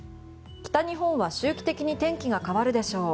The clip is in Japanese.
北日本は周期的に天気が変わるでしょう。